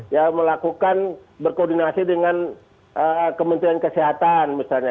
ya melakukan berkoordinasi dengan kementerian kesehatan misalnya